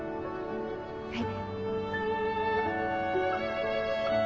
はい。